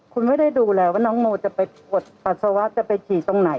คุณไม่ได้ดูแลว่าน้องโมจะไปปวดปัสสาวะจะไปฉี่ตรงไหน